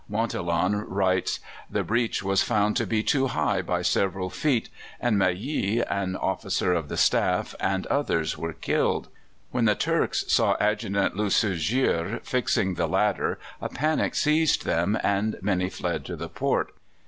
Montholon writes: "The breach was found to be too high by several feet, and Mailly, an officer of the staff, and others were killed. When the Turks saw Adjutant Lusigier fixing the ladder, a panic seized them, and many fled to the port.